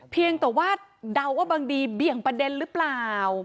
เพียงแต่ว่าเดาว่าบางทีเบี่ยงประเด็นหรือเปล่า